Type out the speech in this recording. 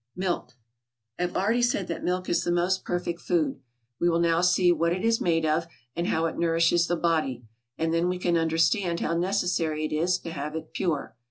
=Milk.= I have already said that milk is the most perfect food; we will now see what it is made of, and how it nourishes the body; and then we can understand how necessary it is to have it pure.